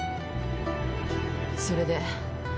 それで。